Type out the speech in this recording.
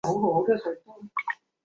张培爵墓在重庆荣昌。